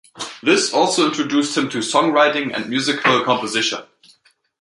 This also introduced him to songwriting and musical composition.